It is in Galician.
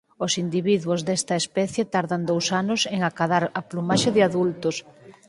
Os individuos desta especie tardan dous anos en acadar a plumaxe de adultos.